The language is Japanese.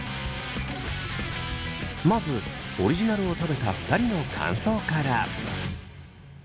まずオリジナルを食べた２人の感想から。